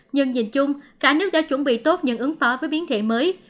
nhưng nhìn chung cả nước đã chuẩn bị tốt những ứng phó với biến thể mới